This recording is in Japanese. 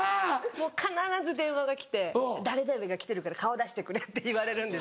もう必ず電話が来て「誰々が来てるから顔出してくれ」って言われるんです。